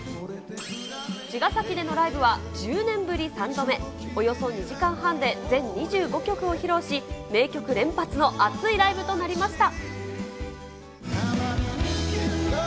茅ヶ崎でのライブは１０年ぶり３度目、およそ２時間半で全２５曲を披露し、名曲連発の熱いライブとなりました。